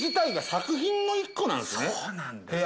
そうなんですよ。